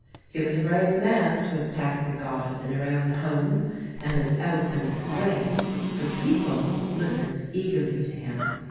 He was a brave man to attack the goddess in her own home, and as eloquent as brave, for the people listened eagerly to him.